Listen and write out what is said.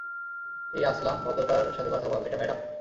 এই আসলাম ভদ্রতার সাথে কথা বল, এটা ম্যাডাম!